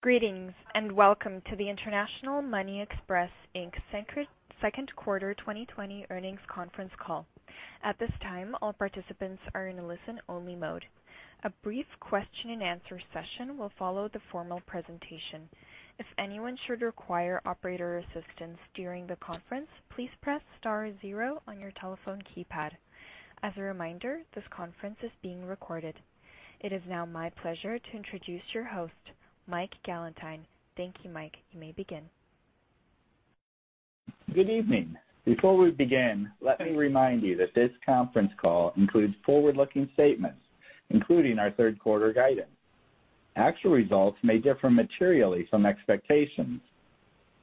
Greetings, and welcome to the International Money Express, Inc. second quarter 2020 earnings conference call. At this time, all participants are in listen-only mode. A brief question and answer session will follow the formal presentation. If anyone should require operator assistance during the conference, please press star zero on your telephone keypad. As a reminder, this conference is being recorded. It is now my pleasure to introduce your host, Mike Gallentine. Thank you, Mike. You may begin. Good evening. Before we begin, let me remind you that this conference call includes forward-looking statements, including our third quarter guidance. Actual results may differ materially from expectations.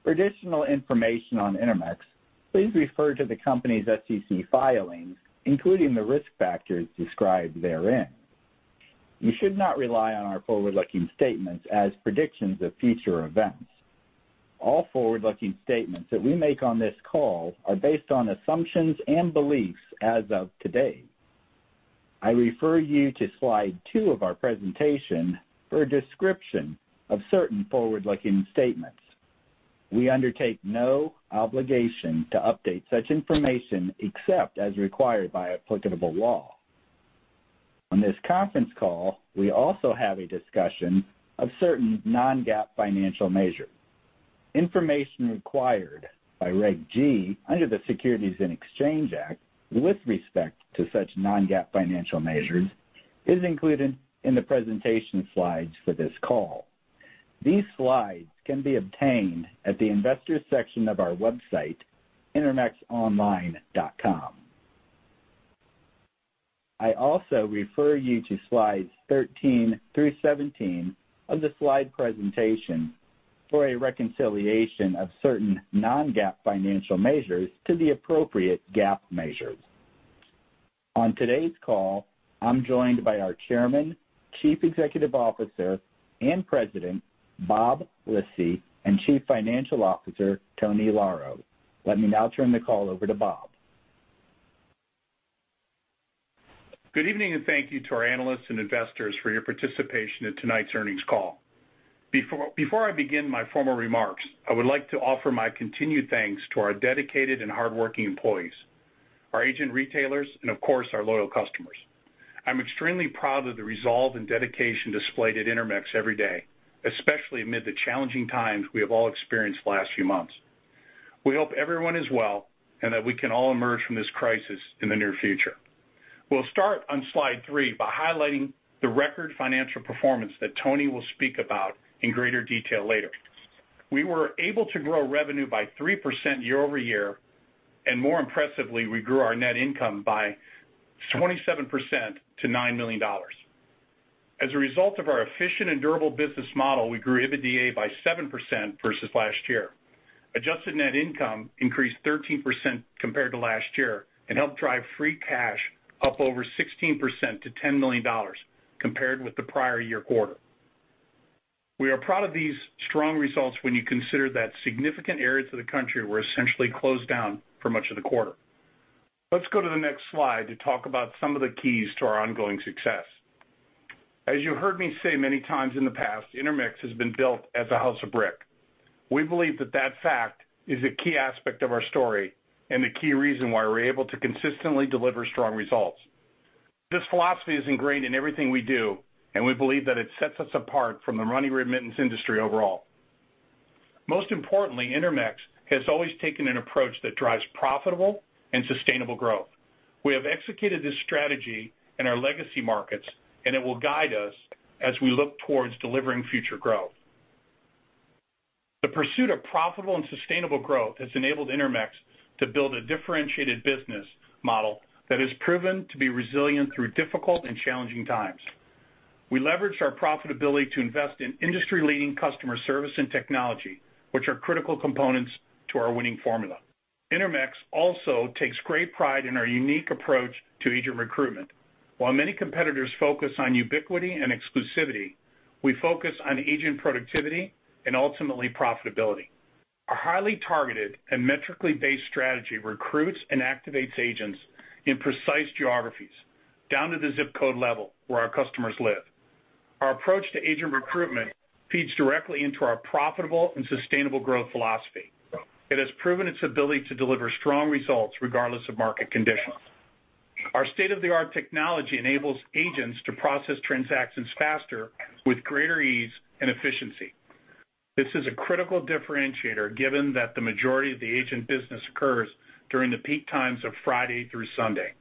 For additional information on Intermex, please refer to the company's SEC filings, including the risk factors described therein. You should not rely on our forward-looking statements as predictions of future events. All forward-looking statements that we make on this call are based on assumptions and beliefs as of today. I refer you to slide two of our presentation for a description of certain forward-looking statements. We undertake no obligation to update such information except as required by applicable law. On this conference call, we also have a discussion of certain non-GAAP financial measures. Information required by Reg G under the Securities Exchange Act with respect to such non-GAAP financial measures is included in the presentation slides for this call. These slides can be obtained at the investors section of our website, intermexonline.com. I also refer you to slides 13-17 of the slide presentation for a reconciliation of certain non-GAAP financial measures to the appropriate GAAP measures. On today's call, I'm joined by our Chairman, Chief Executive Officer, and President, Bob Lisy, and Chief Financial Officer, Tony Lauro. Let me now turn the call over to Bob. Good evening, and thank you to our analysts and investors for your participation in tonight's earnings call. Before I begin my formal remarks, I would like to offer my continued thanks to our dedicated and hardworking employees, our agent retailers, and of course, our loyal customers. I'm extremely proud of the resolve and dedication displayed at Intermex every day, especially amid the challenging times we have all experienced the last few months. We hope everyone is well, and that we can all emerge from this crisis in the near future. We'll start on slide three by highlighting the record financial performance that Tony will speak about in greater detail later. We were able to grow revenue by 3% year-over-year, and more impressively, we grew our net income by 27% to $9 million. As a result of our efficient and durable business model, we grew EBITDA by 7% versus last year. Adjusted net income increased 13% compared to last year and helped drive free cash up over 16% to $10 million compared with the prior year quarter. We are proud of these strong results when you consider that significant areas of the country were essentially closed down for much of the quarter. Let's go to the next slide to talk about some of the keys to our ongoing success. As you heard me say many times in the past, Intermex has been built as a house of brick. We believe that that fact is a key aspect of our story and the key reason why we're able to consistently deliver strong results. This philosophy is ingrained in everything we do, and we believe that it sets us apart from the money remittance industry overall. Most importantly, Intermex has always taken an approach that drives profitable and sustainable growth. We have executed this strategy in our legacy markets, and it will guide us as we look towards delivering future growth. The pursuit of profitable and sustainable growth has enabled Intermex to build a differentiated business model that has proven to be resilient through difficult and challenging times. We leverage our profitability to invest in industry-leading customer service and technology, which are critical components to our winning formula. Intermex also takes great pride in our unique approach to agent recruitment. While many competitors focus on ubiquity and exclusivity, we focus on agent productivity and ultimately profitability. Our highly targeted and metrically based strategy recruits and activates agents in precise geographies down to the zip code level where our customers live. Our approach to agent recruitment feeds directly into our profitable and sustainable growth philosophy. It has proven its ability to deliver strong results regardless of market conditions. Our state-of-the-art technology enables agents to process transactions faster with greater ease and efficiency. This is a critical differentiator given that the majority of the agent business occurs during the peak times of Friday through Sunday.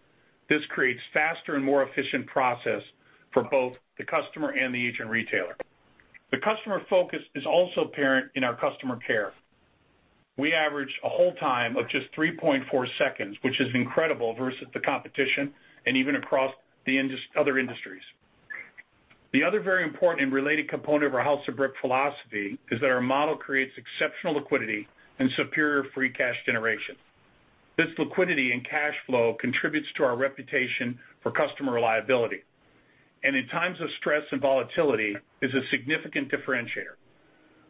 This creates faster and more efficient process for both the customer and the agent retailer. The customer focus is also apparent in our customer care. We average a hold time of just 3.4 seconds, which is incredible versus the competition and even across the other industries. The other very important and related component of our house of brick philosophy is that our model creates exceptional liquidity and superior free cash generation. This liquidity and cash flow contributes to our reputation for customer reliability, and in times of stress and volatility is a significant differentiator.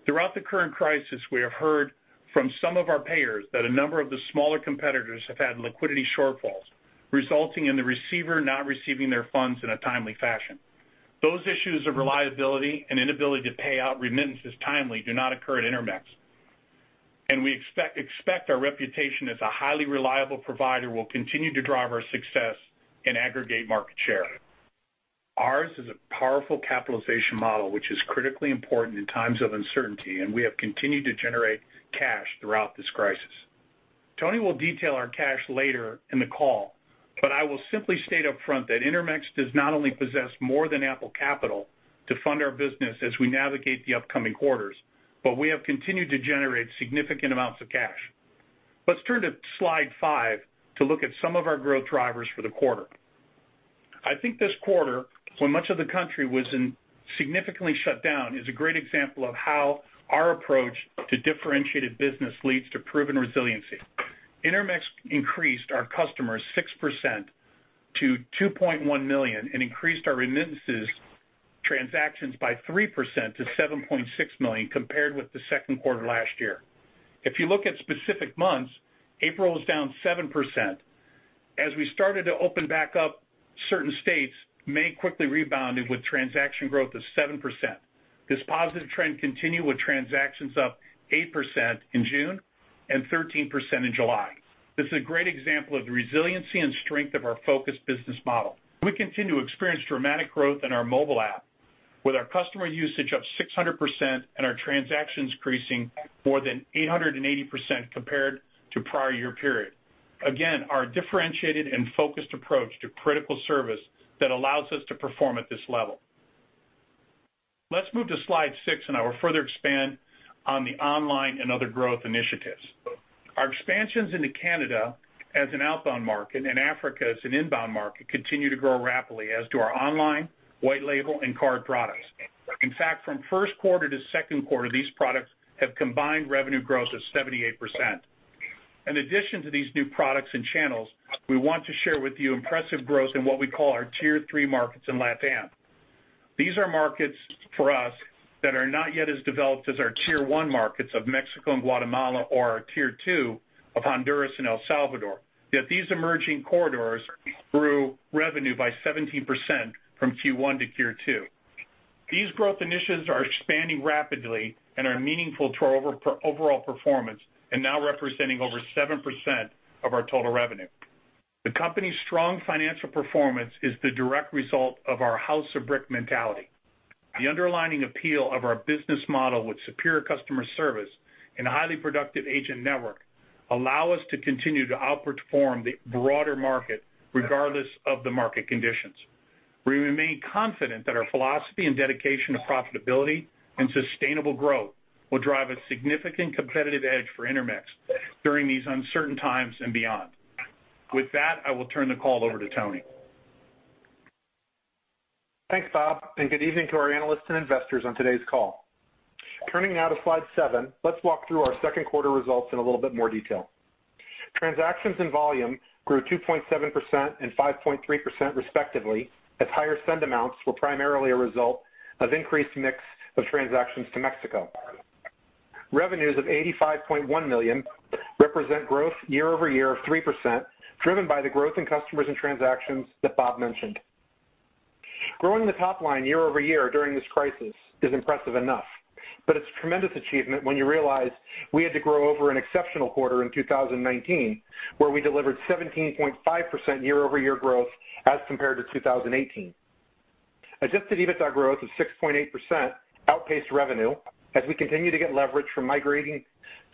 Throughout the current crisis, we have heard from some of our payers that a number of the smaller competitors have had liquidity shortfalls, resulting in the receiver not receiving their funds in a timely fashion. Those issues of reliability and inability to pay out remittances timely do not occur at Intermex. We expect our reputation as a highly reliable provider will continue to drive our success in aggregate market share. Ours is a powerful capitalization model, which is critically important in times of uncertainty, and we have continued to generate cash throughout this crisis. Tony will detail our cash later in the call, but I will simply state upfront that Intermex does not only possess more than ample capital to fund our business as we navigate the upcoming quarters, but we have continued to generate significant amounts of cash. Let's turn to slide five to look at some of our growth drivers for the quarter. I think this quarter, when much of the country was significantly shut down, is a great example of how our approach to differentiated business leads to proven resiliency. Intermex increased our customers 6% to 2.1 million and increased our remittances transactions by 3% to 7.6 million compared with the second quarter last year. If you look at specific months, April was down 7%. As we started to open back up certain states, May quickly rebounded with transaction growth of 7%. This positive trend continued with transactions up 18% in June and 13% in July. This is a great example of the resiliency and strength of our focused business model. We continue to experience dramatic growth in our mobile app with our customer usage up 600% and our transactions increasing more than 880% compared to prior year period. Again, our differentiated and focused approach to critical service that allows us to perform at this level. Let's move to Slide six and I will further expand on the online and other growth initiatives. Our expansions into Canada as an outbound market and Africa as an inbound market continue to grow rapidly as do our online, white label, and card products. In fact, from first quarter to second quarter, these products have combined revenue growth of 78%. In addition to these new products and channels, we want to share with you impressive growth in what we call our Tier 3 markets in LATAM. These are markets for us that are not yet as developed as our Tier 1 markets of Mexico and Guatemala or our Tier 2 of Honduras and El Salvador, yet these emerging corridors grew revenue by 17% from Q1 to Q2. These growth initiatives are expanding rapidly and are meaningful to our overall performance and now representing over 7% of our total revenue. The company's strong financial performance is the direct result of our house of brick mentality. The underlying appeal of our business model with superior customer service and a highly productive agent network allow us to continue to outperform the broader market regardless of the market conditions. We remain confident that our philosophy and dedication to profitability and sustainable growth will drive a significant competitive edge for Intermex during these uncertain times and beyond. With that, I will turn the call over to Tony. Thanks, Bob, good evening to our analysts and investors on today's call. Turning now to slide seven, let's walk through our second quarter results in a little bit more detail. Transactions and volume grew 2.7% and 5.3% respectively, as higher send amounts were primarily a result of increased mix of transactions to Mexico. Revenues of $85.1 million represent growth year-over-year of 3%, driven by the growth in customers and transactions that Bob mentioned. Growing the top line year-over-year during this crisis is impressive enough, but it's a tremendous achievement when you realize we had to grow over an exceptional quarter in 2019 where we delivered 17.5% year-over-year growth as compared to 2018. Adjusted EBITDA growth of 6.8% outpaced revenue as we continue to get leverage from migrating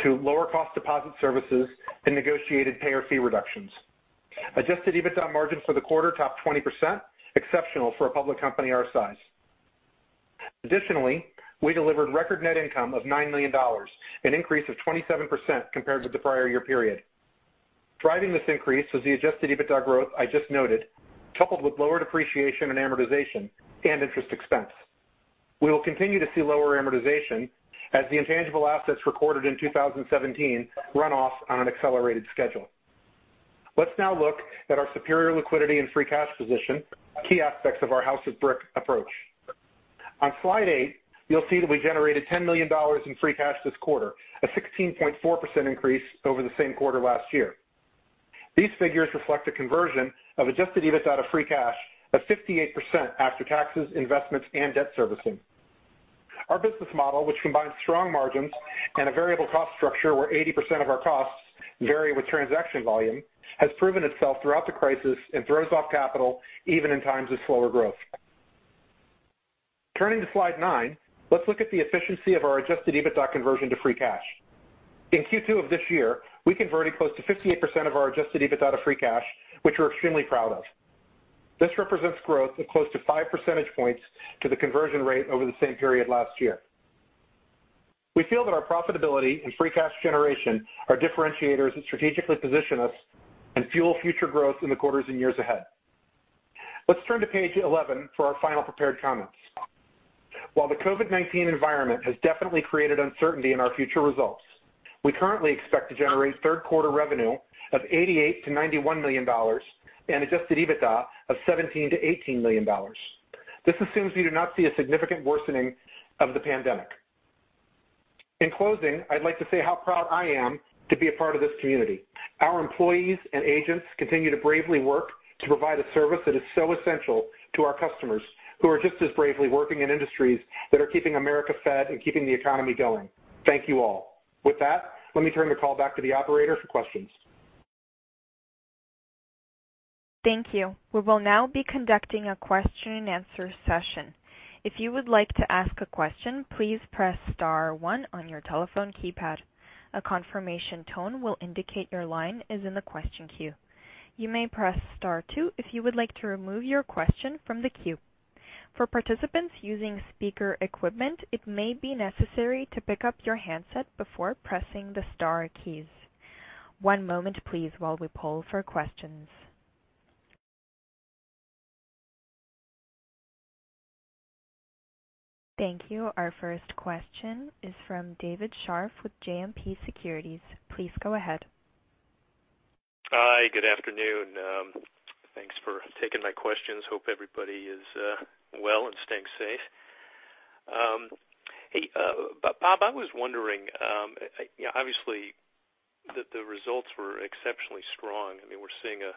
to lower cost deposit services and negotiated payer fee reductions. Adjusted EBITDA margin for the quarter topped 20%, exceptional for a public company our size. Additionally, we delivered record net income of $9 million, an increase of 27% compared with the prior year period. Driving this increase was the adjusted EBITDA growth I just noted, coupled with lower depreciation and amortization and interest expense. We will continue to see lower amortization as the intangible assets recorded in 2017 run off on an accelerated schedule. Let's now look at our superior liquidity and free cash position, key aspects of our house of brick approach. On slide eight, you'll see that we generated $10 million in free cash this quarter, a 16.4% increase over the same quarter last year. These figures reflect a conversion of adjusted EBITDA free cash of 58% after taxes, investments, and debt servicing. Our business model, which combines strong margins and a variable cost structure where 80% of our costs vary with transaction volume, has proven itself throughout the crisis and throws off capital even in times of slower growth. Turning to slide nine, let's look at the efficiency of our adjusted EBITDA conversion to free cash. In Q2 of this year, we converted close to 58% of our adjusted EBITDA to free cash, which we're extremely proud of. This represents growth of close to 5 percentage points to the conversion rate over the same period last year. We feel that our profitability and free cash generation are differentiators that strategically position us and fuel future growth in the quarters and years ahead. Let's turn to page 11 for our final prepared comments. While the COVID-19 environment has definitely created uncertainty in our future results. We currently expect to generate third quarter revenue of $88 million-$91 million and adjusted EBITDA of $17 million-$18 million. This assumes we do not see a significant worsening of the pandemic. In closing, I'd like to say how proud I am to be a part of this community. Our employees and agents continue to bravely work to provide a service that is so essential to our customers, who are just as bravely working in industries that are keeping America fed and keeping the economy going. Thank you all. With that, let me turn the call back to the operator for questions. Thank you. We will now be conducting a question and answer session. If you would like to ask a question, please press star one on your telephone keypad. A confirmation tone will indicate your line is in the question queue. You may press star two if you would like to remove your question from the queue. For participants using speaker equipment, it may be necessary to pick up your handset before pressing the star keys. One moment please, while we poll for questions. Thank you. Our first question is from David Scharf with JMP Securities. Please go ahead. Hi. Good afternoon. Thanks for taking my questions. Hope everybody is well and staying safe. Hey, Bob, I was wondering, obviously, the results were exceptionally strong. We're seeing a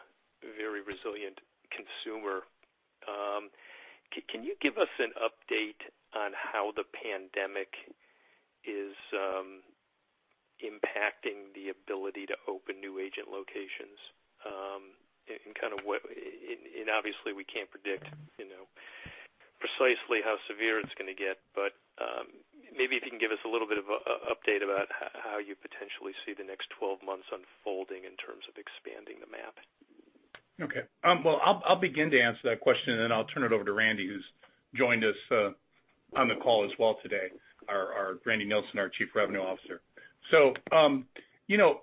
very resilient consumer. Can you give us an update on how the pandemic is impacting the ability to open new agent locations? Obviously we can't predict precisely how severe it's going to get, but maybe if you can give us a little bit of an update about how you potentially see the next 12 months unfolding in terms of expanding the map. Okay. Well, I'll begin to answer that question, and then I'll turn it over to Randy, who's joined us on the call as well today, Randy Nelson, our Chief Revenue Officer.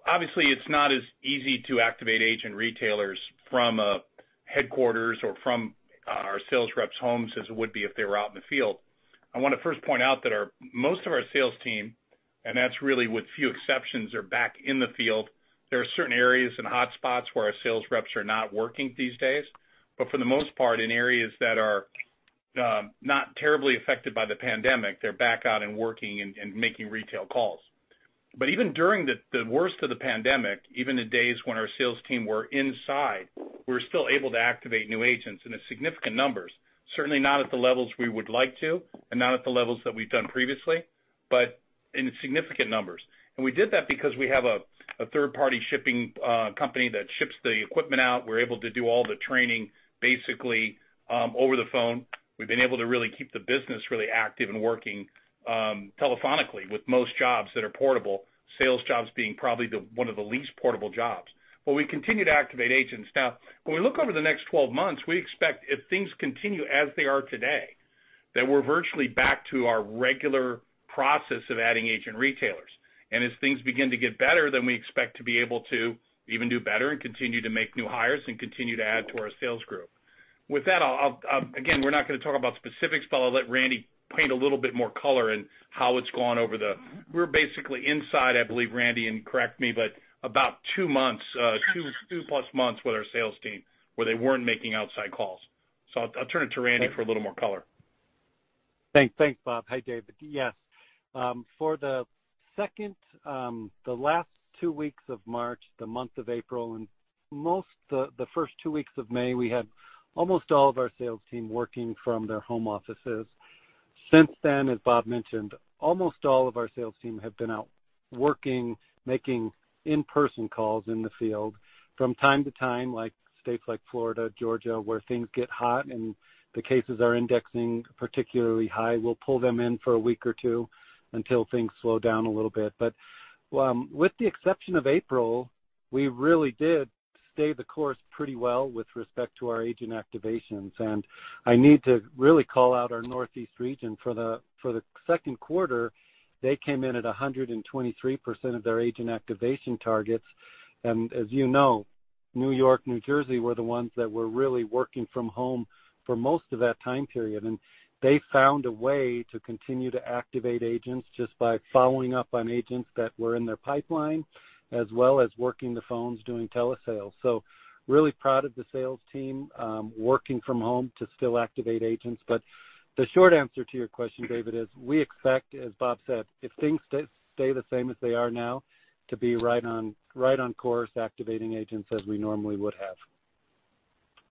Obviously it's not as easy to activate agent retailers from a headquarters or from our sales reps' homes as it would be if they were out in the field. I want to first point out that most of our sales team, and that's really with few exceptions, are back in the field. There are certain areas and hotspots where our sales reps are not working these days. For the most part, in areas that are not terribly affected by the pandemic, they're back out and working and making retail calls. Even during the worst of the pandemic, even the days when our sales team were inside, we were still able to activate new agents in significant numbers. Certainly not at the levels we would like to, and not at the levels that we've done previously, but in significant numbers. We did that because we have a third-party shipping company that ships the equipment out. We're able to do all the training basically over the phone. We've been able to really keep the business really active and working telephonically with most jobs that are portable, sales jobs being probably one of the least portable jobs. We continue to activate agents. When we look over the next 12 months, we expect if things continue as they are today, that we're virtually back to our regular process of adding agent retailers. As things begin to get better, then we expect to be able to even do better and continue to make new hires and continue to add to our sales group. With that, again, we're not going to talk about specifics, but I'll let Randy paint a little bit more color in how it's gone. We were basically inside, I believe, Randy, and correct me, but about two plus months with our sales team, where they weren't making outside calls. I'll turn it to Randy for a little more color. Thanks, Bob. Hi, David. Yes. For the last two weeks of March, the month of April, and most the first two weeks of May, we had almost all of our sales team working from their home offices. Since then, as Bob mentioned, almost all of our sales team have been out working, making in-person calls in the field. From time to time, like states like Florida, Georgia, where things get hot and the cases are indexing particularly high, we'll pull them in for a week or two until things slow down a little bit. With the exception of April, we really did stay the course pretty well with respect to our agent activations. I need to really call out our Northeast region. For the second quarter, they came in at 123% of their agent activation targets. As you know, New York, New Jersey were the ones that were really working from home for most of that time period. They found a way to continue to activate agents just by following up on agents that were in their pipeline, as well as working the phones doing telesales. Really proud of the sales team, working from home to still activate agents. The short answer to your question, David, is we expect, as Bob said, if things stay the same as they are now, to be right on course, activating agents as we normally would have.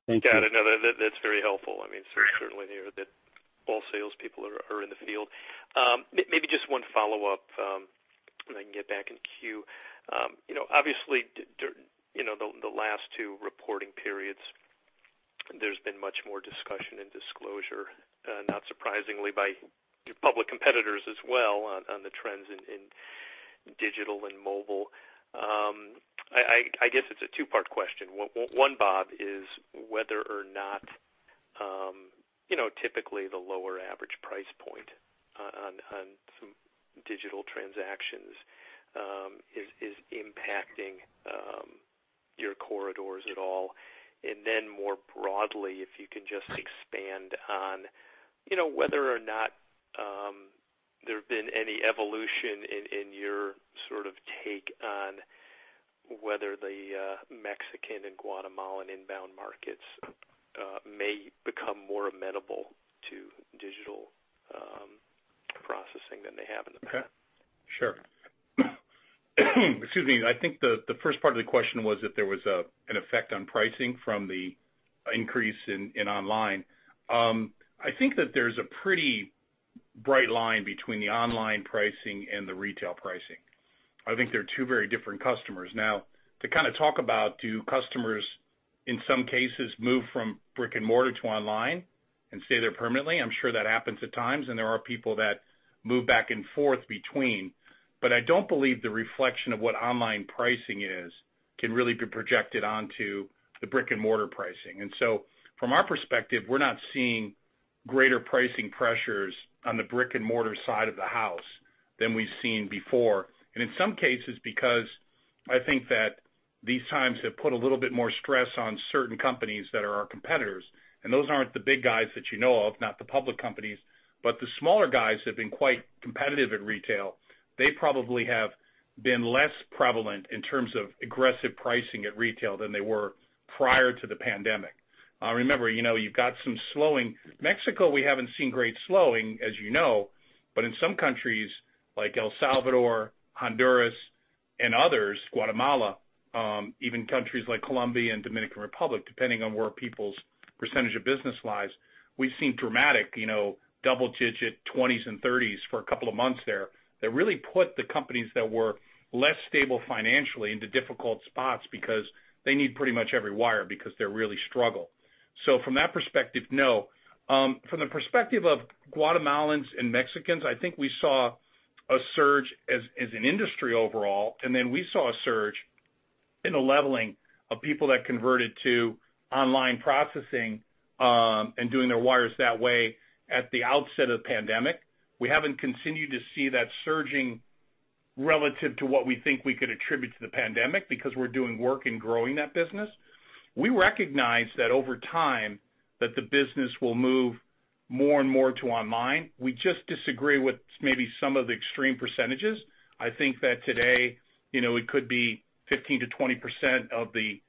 Thank you. That's very helpful. It's certainly near that all salespeople are in the field. Maybe just one follow-up, and I can get back in queue. Obviously, the last two reporting periods, there's been much more discussion and disclosure, not surprisingly by public competitors as well, on the trends in digital and mobile. I guess it's a two-part question. One, Bob, is whether or not typically the lower average price point on some digital transactions is impacting your corridors at all. More broadly, if you can just expand on whether or not there have been any evolution in your take on whether the Mexican and Guatemalan inbound markets may become more amenable to digital processing than they have in the past. Okay. Sure. Excuse me. I think the first part of the question was if there was an effect on pricing from the increase in online. I think that there's a pretty bright line between the online pricing and the retail pricing. I think they're two very different customers. Now, to talk about do customers, in some cases, move from brick-and-mortar to online and stay there permanently, I'm sure that happens at times, and there are people that move back and forth between. I don't believe the reflection of what online pricing is can really be projected onto the brick-and-mortar pricing. From our perspective, we're not seeing greater pricing pressures on the brick-and-mortar side of the house than we've seen before. In some cases, because I think that these times have put a little bit more stress on certain companies that are our competitors, and those aren't the big guys that you know of, not the public companies, but the smaller guys have been quite competitive at retail. They probably have been less prevalent in terms of aggressive pricing at retail than they were prior to the pandemic. Remember, you've got some slowing. Mexico, we haven't seen great slowing, as you know, but in some countries like El Salvador, Honduras, and others, Guatemala, even countries like Colombia and Dominican Republic, depending on where people's percentage of business lies, we've seen dramatic double-digit 20s and 30s for a couple of months there that really put the companies that were less stable financially into difficult spots because they need pretty much every wire because they really struggle. From that perspective, no. From the perspective of Guatemalans and Mexicans, I think we saw a surge as an industry overall, and then we saw a surge in the leveling of people that converted to online processing and doing their wires that way at the outset of pandemic. We haven't continued to see that surging relative to what we think we could attribute to the pandemic because we're doing work in growing that business. We recognize that over time that the business will move more and more to online. We just disagree with maybe some of the extreme percentages. I think that today it could be 15%-20% of the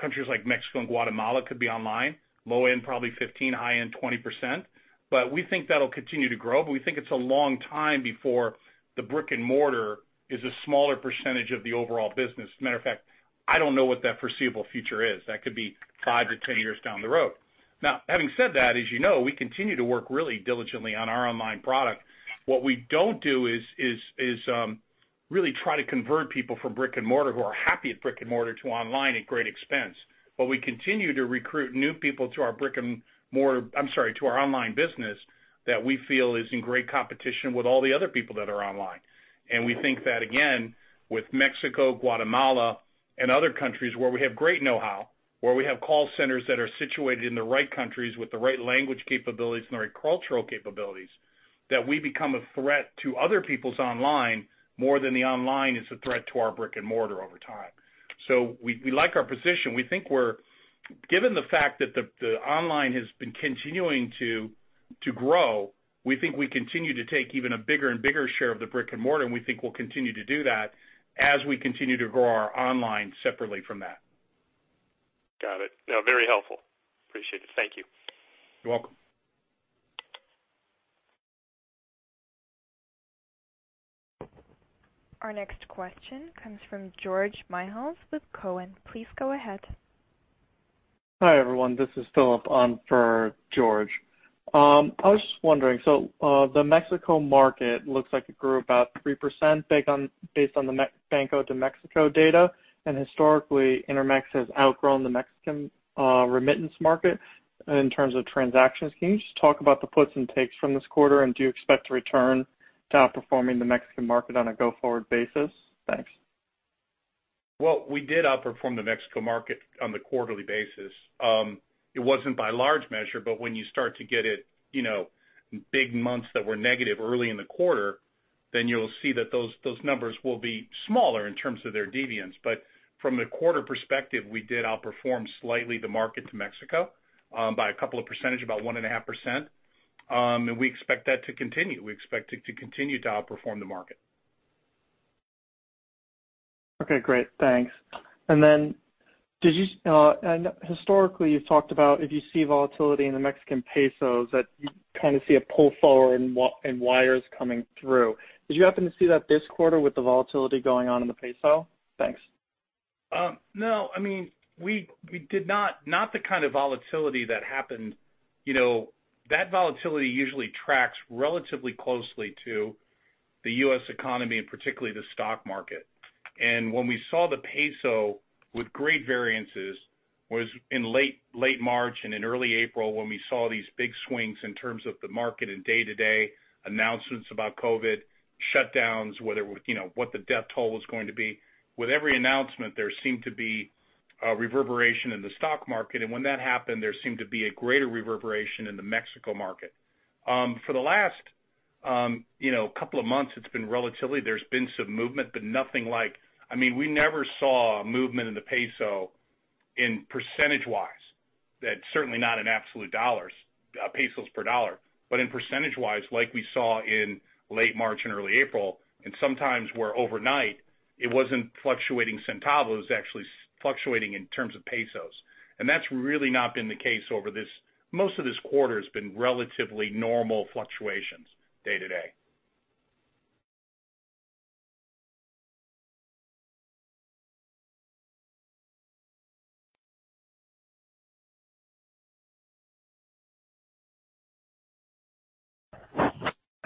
countries like Mexico and Guatemala could be online, low end probably 15%, high end 20%. We think that'll continue to grow, but we think it's a long time before the brick-and-mortar is a smaller percentage of the overall business. Matter of fact, I don't know what that foreseeable future is. That could be 5-10 years down the road. Having said that, as you know, we continue to work really diligently on our online product. What we don't do is really try to convert people from brick-and-mortar who are happy at brick-and-mortar to online at great expense. We continue to recruit new people to our online business that we feel is in great competition with all the other people that are online. We think that again, with Mexico, Guatemala, and other countries where we have great know-how, where we have call centers that are situated in the right countries with the right language capabilities and the right cultural capabilities, that we become a threat to other people's online more than the online is a threat to our brick-and-mortar over time. We like our position. Given the fact that the online has been continuing to grow, we think we continue to take even a bigger and bigger share of the brick-and-mortar, and we think we'll continue to do that as we continue to grow our online separately from that. Got it. No, very helpful. Appreciate it. Thank you. You're welcome. Our next question comes from George Miles with Cowen. Please go ahead. Hi, everyone, this is Philip on for George. I was just wondering, the Mexico market looks like it grew about 3% based on the Banco de México data, and historically, Intermex has outgrown the Mexican remittance market in terms of transactions. Can you just talk about the puts and takes from this quarter, and do you expect to return to outperforming the Mexican market on a go-forward basis? Thanks. Well, we did outperform the Mexico market on the quarterly basis. It wasn't by large measure, but when you start to get it big months that were negative early in the quarter, then you'll see that those numbers will be smaller in terms of their deviance. From the quarter perspective, we did outperform slightly the market to Mexico by a couple of percentage, about 1.5%. We expect that to continue. We expect it to continue to outperform the market. Okay, great. Thanks. Historically you've talked about if you see volatility in the Mexican pesos that you see a pull forward in wires coming through. Did you happen to see that this quarter with the volatility going on in the peso? Thanks. No. We did not. Not the kind of volatility that happened. That volatility usually tracks relatively closely to the U.S. economy and particularly the stock market. When we saw the peso with great variances was in late March and in early April when we saw these big swings in terms of the market and day-to-day announcements about COVID shutdowns, what the death toll was going to be. With every announcement, there seemed to be a reverberation in the stock market, and when that happened, there seemed to be a greater reverberation in the Mexico market. For the last couple of months, it's been relatively, there's been some movement, but nothing like. We never saw movement in the peso in percentage-wise. That certainly not in absolute pesos per dollar, but in percentage-wise, like we saw in late March and early April, sometimes where overnight it wasn't fluctuating centavos, actually fluctuating in terms of pesos. That's really not been the case over this. Most of this quarter has been relatively normal fluctuations day-to-day.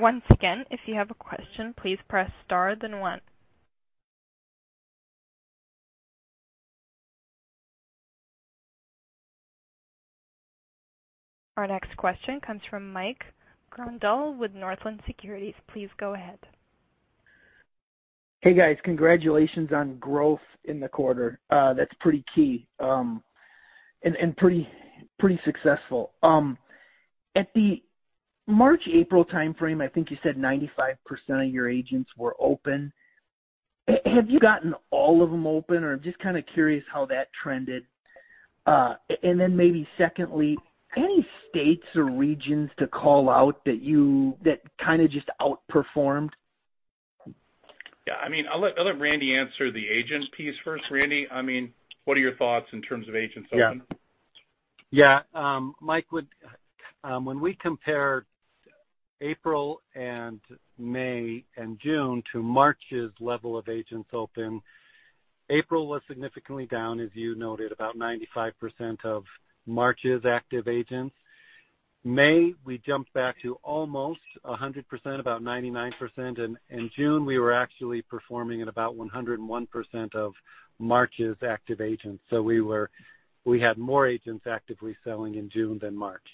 Once again, if you have a question, please press star, then one. Our next question comes from Mike Grondahl with Northland Securities. Please go ahead. Hey, guys. Congratulations on growth in the quarter. That's pretty key, and pretty successful. At the March, April timeframe, I think you said 95% of your agents were open. Have you gotten all of them open, or I'm just kind of curious how that trended? Then maybe secondly, any states or regions to call out that kind of just outperformed? Yeah. I'll let Randy answer the agent piece first. Randy, what are your thoughts in terms of agents open? Yeah. Mike, when we compare April and May and June to March's level of agents open, April was significantly down, as you noted, about 95% of March's active agents. May, we jumped back to almost 100%, about 99%, and in June, we were actually performing at about 101% of March's active agents. We had more agents actively selling in June than March.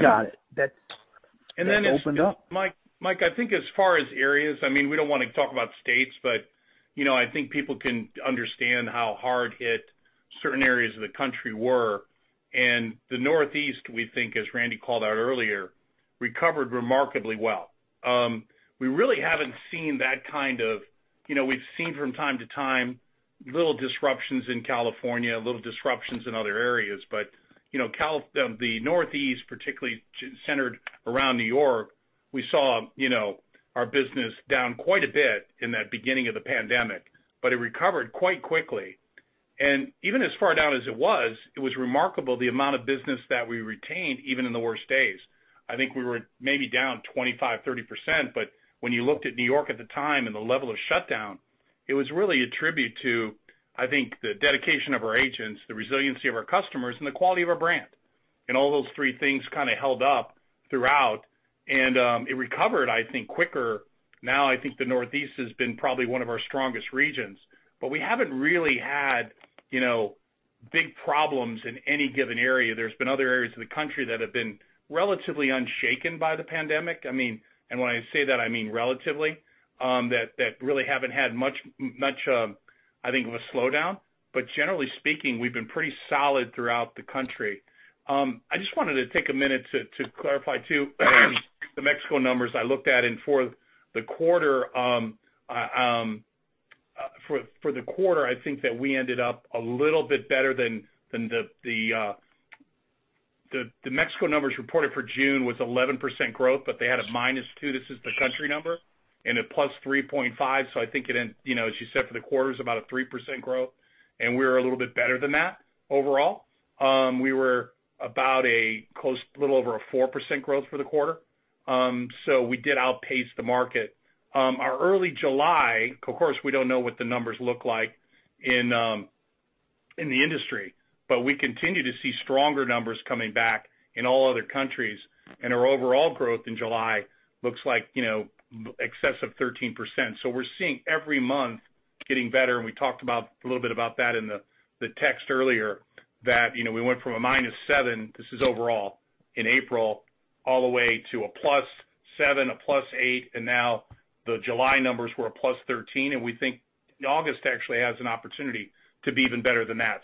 Got it. That opened up. Mike, I think as far as areas, we don't want to talk about states, but I think people can understand how hard hit certain areas of the country were. The Northeast, we think, as Randy called out earlier, recovered remarkably well. We really haven't seen. We've seen from time to time little disruptions in California, little disruptions in other areas. The Northeast, particularly centered around New York, we saw our business down quite a bit in that beginning of the pandemic, but it recovered quite quickly. Even as far down as it was, it was remarkable the amount of business that we retained, even in the worst days. I think we were maybe down 25%, 30%, but when you looked at New York at the time and the level of shutdown, it was really a tribute to, I think, the dedication of our agents, the resiliency of our customers, and the quality of our brand. All those three things kind of held up throughout. It recovered, I think, quicker. Now I think the Northeast has been probably one of our strongest regions. We haven't really had big problems in any given area. There's been other areas of the country that have been relatively unshaken by the pandemic. When I say that, I mean, relatively, that really haven't had much, I think, of a slowdown. Generally speaking, we've been pretty solid throughout the country. I just wanted to take a minute to clarify, too, the Mexico numbers I looked at. For the quarter, I think that we ended up a little bit better than the Mexico numbers reported for June was 11% growth, but they had a -2%. This is the country number, and a +3.5%. I think as you said, for the quarter, it was about a 3% growth, and we were a little bit better than that overall. We were about a little over a 4% growth for the quarter. We did outpace the market. Our early July, of course, we don't know what the numbers look like in the industry. We continue to see stronger numbers coming back in all other countries, and our overall growth in July looks like excess of 13%. We're seeing every month getting better, and we talked a little bit about that in the text earlier that we went from a -7%, this is overall, in April, all the way to a +7%, a +8%, and now the July numbers were a +13%, and we think August actually has an opportunity to be even better than that.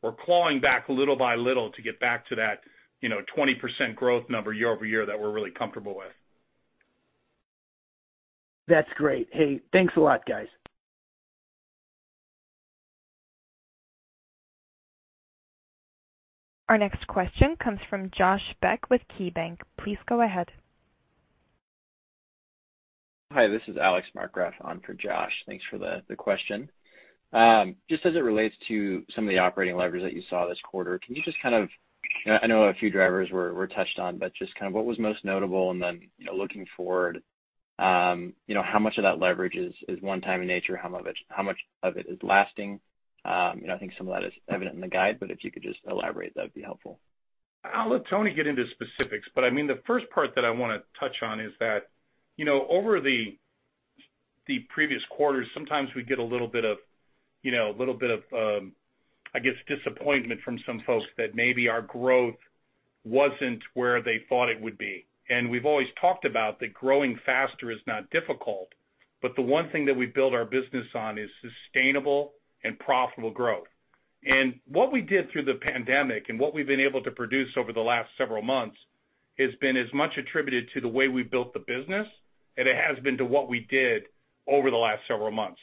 We're clawing back little by little to get back to that 20% growth number year-over-year that we're really comfortable with. That's great. Hey, thanks a lot, guys. Our next question comes from Josh Beck with KeyBanc. Please go ahead. Hi, this is Alex Markgraff on for Josh. Thanks for the question. Just as it relates to some of the operating leverage that you saw this quarter, I know a few drivers were touched on, but just kind of what was most notable and then, looking forward, how much of that leverage is one-time in nature? How much of it is lasting? And I think some of that is evident in the guide, but if you could just elaborate, that'd be helpful. I'll let Tony get into specifics, but the first part that I want to touch on is that over the previous quarters, sometimes we get a little bit of, I guess, disappointment from some folks that maybe our growth wasn't where they thought it would be. We've always talked about that growing faster is not difficult, but the one thing that we build our business on is sustainable and profitable growth. What we did through the pandemic and what we've been able to produce over the last several months has been as much attributed to the way we built the business as it has been to what we did over the last several months.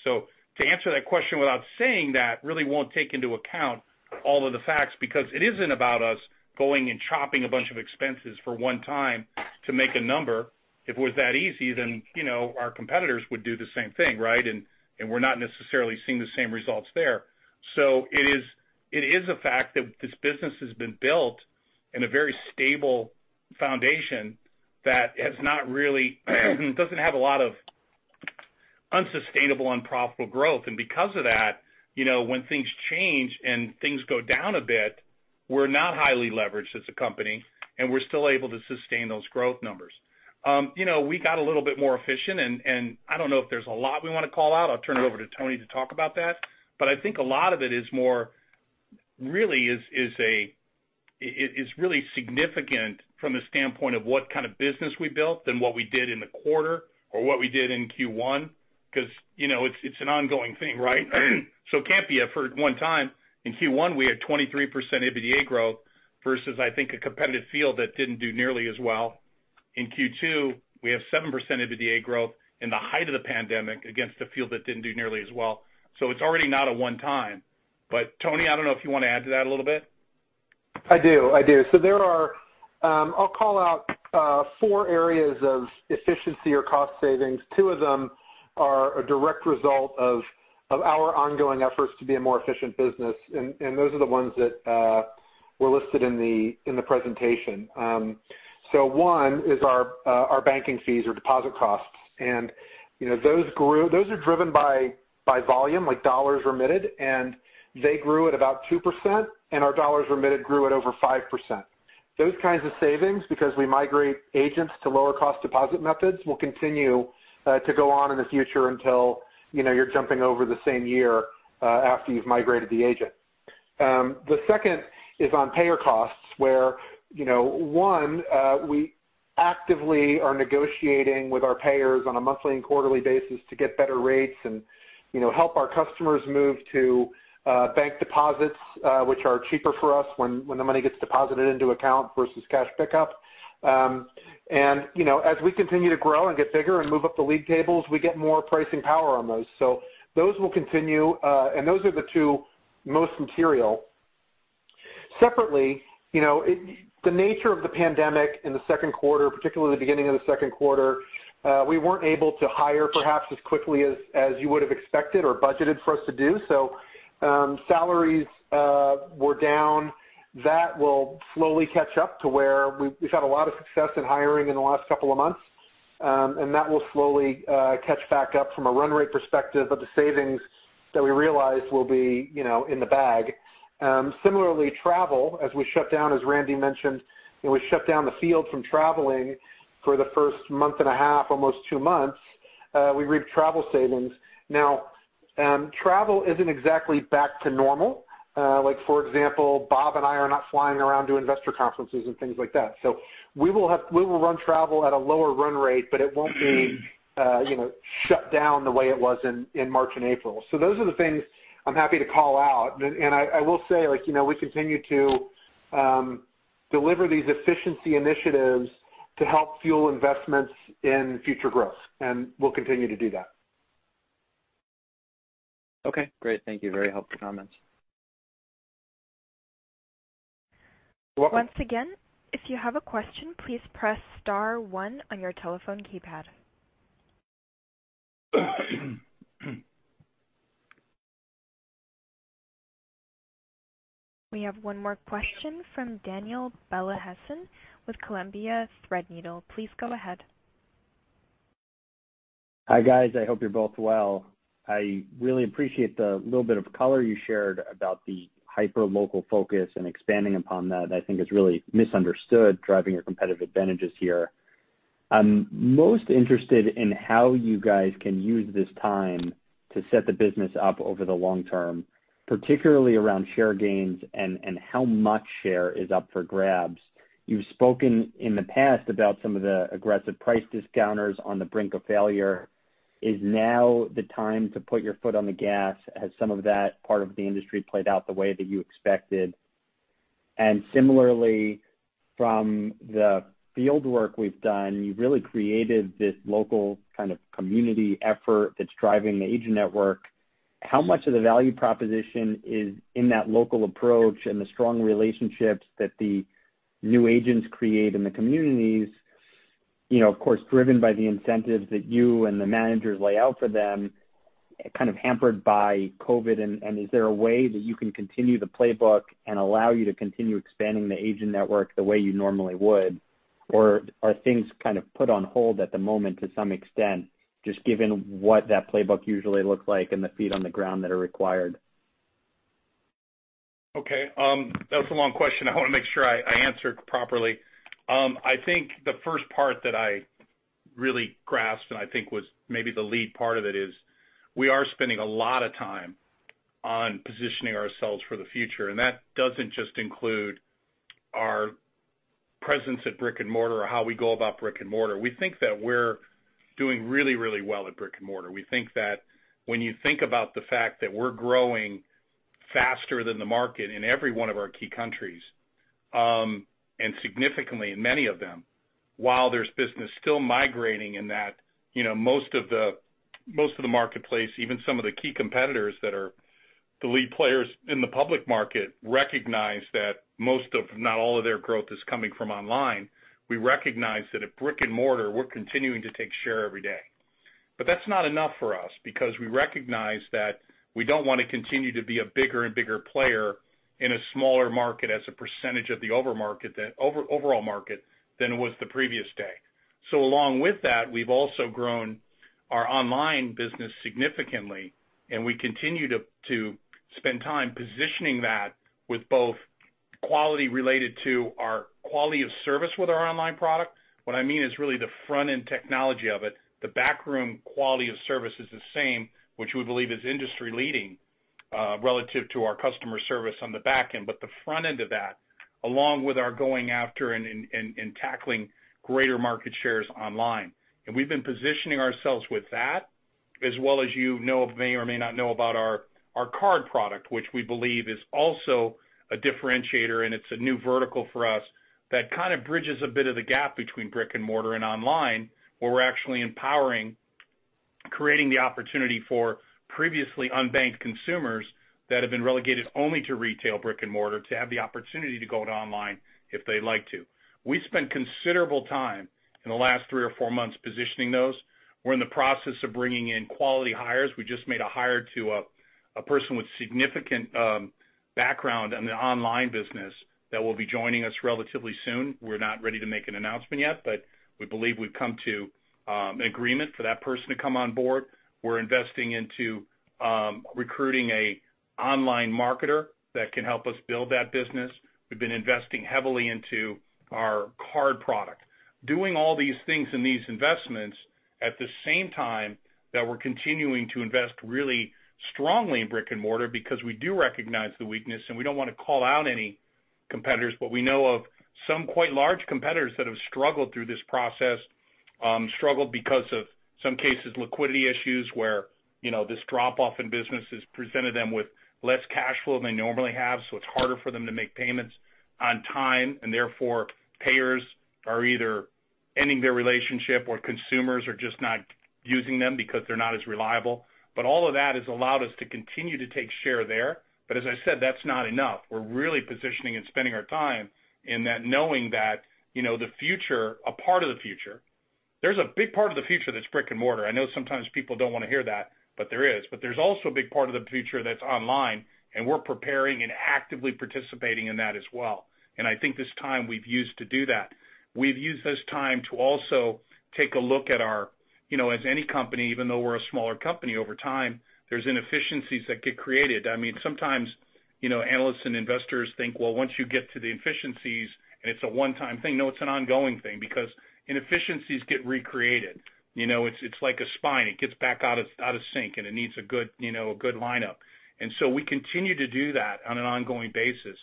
To answer that question without saying that really won't take into account all of the facts, because it isn't about us going and chopping a bunch of expenses for one time to make a number. If it was that easy, then our competitors would do the same thing, right? We're not necessarily seeing the same results there. It is a fact that this business has been built in a very stable foundation that doesn't have a lot of unsustainable, unprofitable growth. Because of that, when things change and things go down a bit, we're not highly leveraged as a company, and we're still able to sustain those growth numbers. We got a little bit more efficient, and I don't know if there's a lot we want to call out. I'll turn it over to Tony to talk about that. I think a lot of it is really significant from the standpoint of what kind of business we built than what we did in the quarter or what we did in Q1, because it's an ongoing thing, right? It can't be effort one time. In Q1, we had 23% EBITDA growth versus, I think, a competitive field that didn't do nearly as well. In Q2, we have 7% EBITDA growth in the height of the pandemic against a field that didn't do nearly as well. It's already not a one-time. Tony, I don't know if you want to add to that a little bit. I do. I'll call out four areas of efficiency or cost savings. Two of them are a direct result of our ongoing efforts to be a more efficient business, and those are the ones that were listed in the presentation. One is our banking fees or deposit costs. Those are driven by volume, like dollars remitted, and they grew at about 2%, and our dollars remitted grew at over 5%. Those kinds of savings, because we migrate agents to lower-cost deposit methods, will continue to go on in the future until you're jumping over the same year after you've migrated the agent. The second is on payer costs, where, one, we actively are negotiating with our payers on a monthly and quarterly basis to get better rates and help our customers move to bank deposits which are cheaper for us when the money gets deposited into account versus cash pickup. As we continue to grow and get bigger and move up the league tables, we get more pricing power on those. Those will continue, and those are the two most material. Separately, the nature of the pandemic in the second quarter, particularly the beginning of the second quarter, we weren't able to hire perhaps as quickly as you would have expected or budgeted for us to do. Salaries were down. That will slowly catch up to where we've had a lot of success in hiring in the last couple of months, and that will slowly catch back up from a run rate perspective of the savings that we realize will be in the bag. Similarly, travel, as we shut down, as Randy mentioned, we shut down the field from traveling for the first month and a half, almost two months. We reaped travel savings. Now, travel isn't exactly back to normal. Like for example, Bob and I are not flying around to investor conferences and things like that. We will run travel at a lower run rate, but it won't be shut down the way it was in March and April. Those are the things I'm happy to call out. I will say, we continue to deliver these efficiency initiatives to help fuel investments in future growth, and we'll continue to do that. Okay, great. Thank you. Very helpful comments. Welcome. Once again, if you have a question, please press star one on your telephone keypad. We have one more question from Daniel Bellehsen with Columbia Threadneedle. Please go ahead. Hi, guys. I hope you're both well. I really appreciate the little bit of color you shared about the hyper-local focus and expanding upon that. I think it's really misunderstood driving your competitive advantages here. I'm most interested in how you guys can use this time to set the business up over the long term, particularly around share gains and how much share is up for grabs. You've spoken in the past about some of the aggressive price discounters on the brink of failure. Is now the time to put your foot on the gas? Has some of that part of the industry played out the way that you expected? Similarly, from the field work we've done, you've really created this local kind of community effort that's driving the agent network. How much of the value proposition is in that local approach and the strong relationships that the new agents create in the communities, of course, driven by the incentives that you and the managers lay out for them, kind of hampered by COVID? Is there a way that you can continue the playbook and allow you to continue expanding the agent network the way you normally would? Are things kind of put on hold at the moment to some extent, just given what that playbook usually looks like and the feet on the ground that are required? Okay. That's a long question. I want to make sure I answered properly. I think the first part that I really grasped and I think was maybe the lead part of it is we are spending a lot of time on positioning ourselves for the future. That doesn't just include our presence at brick-and-mortar or how we go about brick-and-mortar. We think that we're doing really, really well at brick-and-mortar. We think that when you think about the fact that we're growing faster than the market in every one of our key countries, and significantly in many of them, while there's business still migrating in that, most of the marketplace, even some of the key competitors that are the lead players in the public market, recognize that most, if not all of their growth is coming from online. We recognize that at brick-and-mortar, we're continuing to take share every day. That's not enough for us because we recognize that we don't want to continue to be a bigger and bigger player in a smaller market as a percentage of the overall market than it was the previous day. Along with that, we've also grown our online business significantly, and we continue to spend time positioning that with both quality related to our quality of service with our online product. What I mean is really the front-end technology of it. The backroom quality of service is the same, which we believe is industry-leading, relative to our customer service on the back end. The front end of that, along with our going after and tackling greater market shares online. We've been positioning ourselves with that as well as you may or may not know about our card product, which we believe is also a differentiator, and it's a new vertical for us that kind of bridges a bit of the gap between brick-and-mortar and online, where we're actually empowering, creating the opportunity for previously unbanked consumers that have been relegated only to retail brick-and-mortar to have the opportunity to go to online if they'd like to. We spent considerable time in the last three or four months positioning those. We're in the process of bringing in quality hires. We just made a hire to a person with significant background in the online business that will be joining us relatively soon. We're not ready to make an announcement yet, but we believe we've come to an agreement for that person to come on board. We're investing into recruiting an online marketer that can help us build that business. We've been investing heavily into our card product. Doing all these things and these investments at the same time that we're continuing to invest really strongly in brick-and-mortar because we do recognize the weakness, and we don't want to call out any competitors, but we know of some quite large competitors that have struggled through this process. Struggled because of some cases, liquidity issues where this drop-off in business has presented them with less cash flow than they normally have, so it's harder for them to make payments on time and therefore payers are either ending their relationship or consumers are just not using them because they're not as reliable. All of that has allowed us to continue to take share there. As I said, that's not enough. We're really positioning and spending our time in that knowing that there's a big part of the future that's brick-and-mortar. I know sometimes people don't want to hear that, but there is. There's also a big part of the future that's online, and we're preparing and actively participating in that as well. I think this time we've used to do that. We've used this time to also take a look at our, as any company, even though we're a smaller company over time, there's inefficiencies that get created. Sometimes, analysts and investors think, well, once you get to the efficiencies and it's a one-time thing. No, it's an ongoing thing because inefficiencies get recreated. It's like a spine. It gets back out of sync, and it needs a good line up. We continue to do that on an ongoing basis.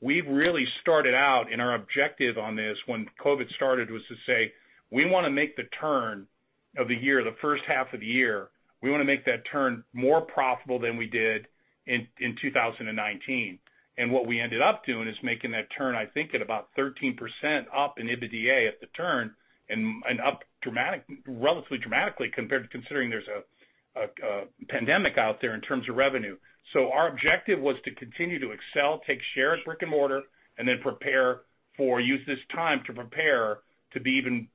We've really started out, and our objective on this when COVID-19 started was to say, we want to make the turn of the year, the first half of the year, we want to make that turn more profitable than we did in 2019. What we ended up doing is making that turn, I think at about 13% up in EBITDA at the turn and up relatively dramatically considering there's a pandemic out there in terms of revenue. Our objective was to continue to excel, take shares brick-and-mortar, and then use this time to prepare to be even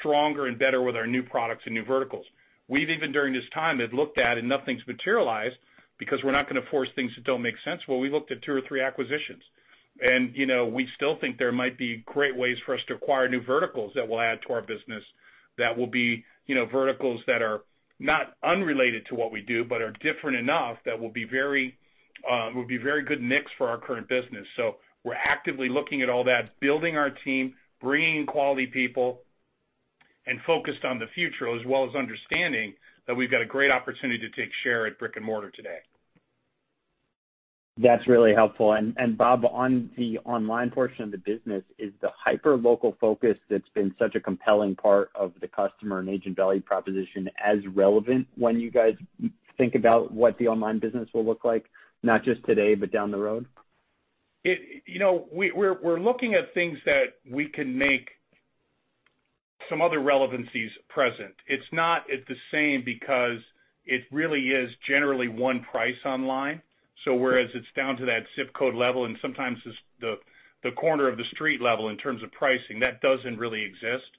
stronger and better with our new products and new verticals. We've even during this time have looked at, and nothing's materialized because we're not going to force things that don't make sense. Well, we looked at two or three acquisitions. We still think there might be great ways for us to acquire new verticals that will add to our business, that will be verticals that are not unrelated to what we do, but are different enough that will be very good mix for our current business. We're actively looking at all that, building our team, bringing quality people and focused on the future, as well as understanding that we've got a great opportunity to take share at brick-and-mortar today. That's really helpful. Bob, on the online portion of the business, is the hyperlocal focus that's been such a compelling part of the customer and agent value proposition as relevant when you guys think about what the online business will look like, not just today, but down the road? We're looking at things that we can make some other relevancies present. It's not the same because it really is generally one price online. Whereas it's down to that ZIP code level and sometimes it's the corner of the street level in terms of pricing, that doesn't really exist.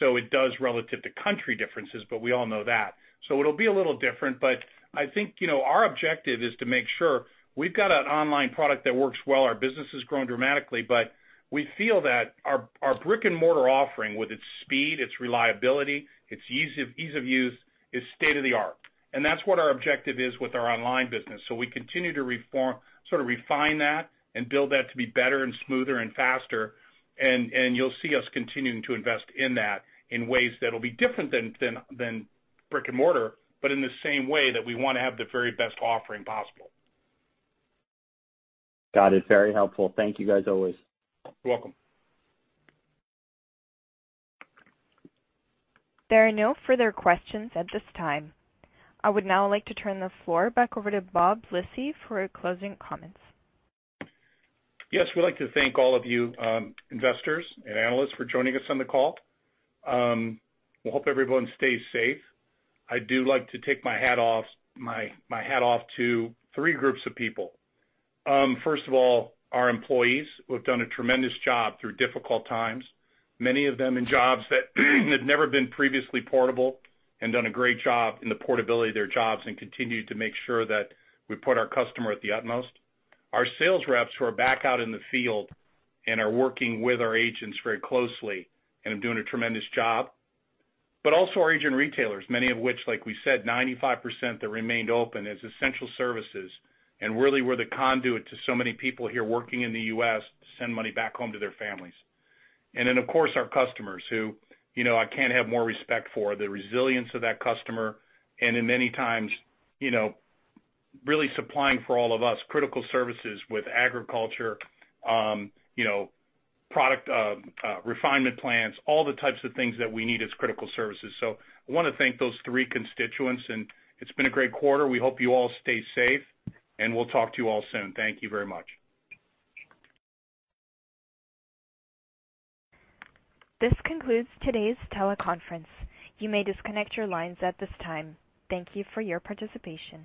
It does relative to country differences, but we all know that. It'll be a little different, but I think our objective is to make sure we've got an online product that works well. Our business has grown dramatically, but we feel that our brick-and-mortar offering with its speed, its reliability, its ease of use is state-of-the-art. That's what our objective is with our online business. We continue to sort of refine that and build that to be better and smoother and faster. You'll see us continuing to invest in that in ways that will be different than brick-and-mortar, but in the same way that we want to have the very best offering possible. Got it. Very helpful. Thank you guys, always. You're welcome. There are no further questions at this time. I would now like to turn the floor back over to Bob Lisy for closing comments. Yes, we would like to thank all of you, investors and analysts for joining us on the call. We hope everyone stays safe. I do like to take my hat off to three groups of people. First of all, our employees who have done a tremendous job through difficult times, many of them in jobs that had never been previously portable and done a great job in the portability of their jobs and continued to make sure that we put our customer at the utmost. Our sales reps who are back out in the field and are working with our agents very closely and are doing a tremendous job. Also our agent retailers, many of which, like we said, 95% that remained open as essential services and really were the conduit to so many people here working in the U.S. to send money back home to their families. Of course, our customers who I can't have more respect for. The resilience of that customer and in many times really supplying for all of us critical services with agriculture, product refinement plants, all the types of things that we need as critical services. I want to thank those three constituents, and it's been a great quarter. We hope you all stay safe, and we'll talk to you all soon. Thank you very much. This concludes today's teleconference. You may disconnect your lines at this time. Thank you for your participation.